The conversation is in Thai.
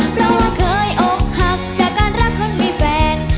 เพราะว่าเคยอกหักจากการรักคนมีแฟน